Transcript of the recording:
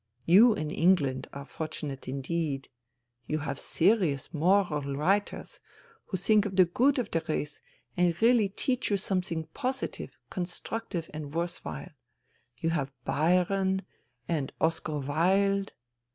You in England are fortunate indeed. You have serious, moral writers who think of the good of the race and really teach you something positive, constructive and worth while. You have Byron and Oscar Wilde.